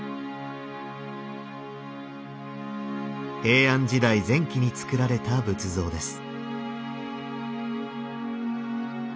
平安時代前期に造られた仏像です。